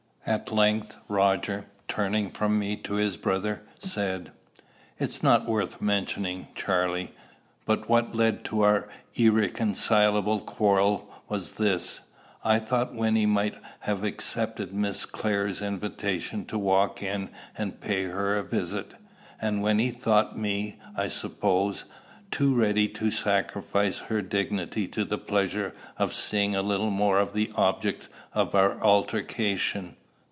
At length Roger, turning from me to his brother, said, "It's not worth mentioning, Charley; but what led to our irreconcilable quarrel was this: I thought Wynnie might have accepted Miss Clare's invitation to walk in and pay her a visit; and Wynnie thought me, I suppose, too ready to sacrifice her dignity to the pleasure of seeing a little more of the object of our altercation.